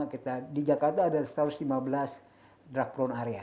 kita di jakarta ada satu ratus lima belas drap